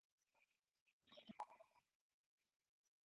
It is part of the Northern Beaches region.